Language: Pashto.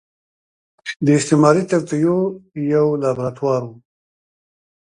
د استعماري توطيو يو لابراتوار و.